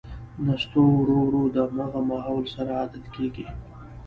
نستوه ورو ـ ورو د همغه ماحول سره عادت کېږي.